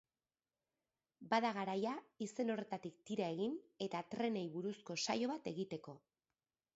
Bada garaia izen horretatik tira egin, eta trenei buruzko saio bat egiteko.